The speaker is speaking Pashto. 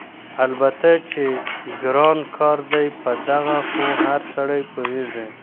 البته چې ګران کار دی په دغه خو هر سړی پوهېږي،